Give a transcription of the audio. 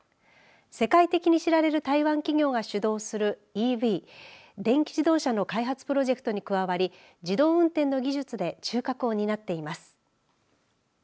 世界的に知られる台湾企業が主導するＥＶ、電気自動車の開発プロジェクトに加わり自動運転の技術で中核を担っています。